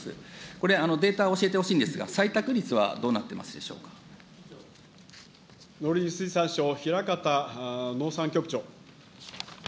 これ、データを教えてほしいんですが、採択率はどうなってますで農林水産省、平形農産局長。